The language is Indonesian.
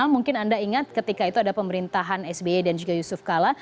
mungkin anda ingat ketika itu ada pemerintahan sby dan juga yusuf kala